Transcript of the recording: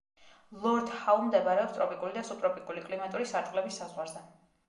ლორდ-ჰაუ მდებარეობს ტროპიკული და სუბტროპიკული კლიმატური სარტყლების საზღვარზე.